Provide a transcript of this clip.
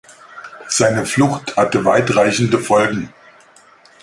Seine Flucht hatte weitreichende Folgen.